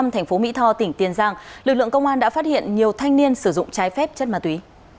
thành phố mỹ tho tỉnh tiền giang lực lượng công an đã phát hiện nhiều thanh niên sử dụng trái phép chất ma túy